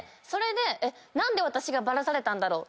何で私がバラされたんだろう？